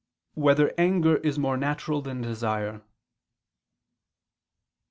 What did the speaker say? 5] Whether Anger Is More Natural Than Desire?